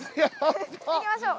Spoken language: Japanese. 行きましょう。